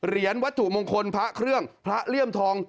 วัตถุมงคลพระเครื่องพระเลี่ยมทอง